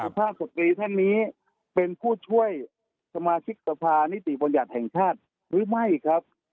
ภาพสตรีท่านนี้เป็นผู้ช่วยสมาชิกสภานิติบัญญัติแห่งชาติหรือไม่ครับ